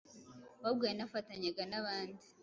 ahubwo yanafatanyaga n’abandi .